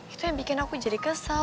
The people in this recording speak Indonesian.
itu yang bikin aku jadi kesel